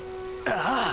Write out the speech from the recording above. ああ！